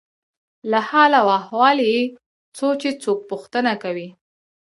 له حال او احوال یې څو چې څوک پوښتنه کوي.